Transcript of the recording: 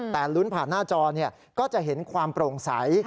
แต่ลุ้นผ่านหน้าจอก็จะเห็นความโปร่งใส